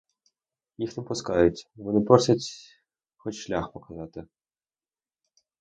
Їх не пускають; вони просять хоч шлях показати.